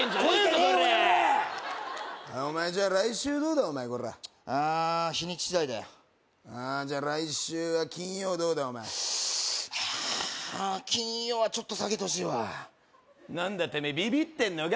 このヤロウお前じゃあ来週どうだお前コラあー日にち次第だよあーじゃあ来週は金曜どうだお前はあ金曜はちょっと避けてほしいわ何だテメエビビってんのか？